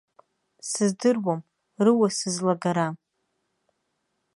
Сыздыруам, руа сызлалагара.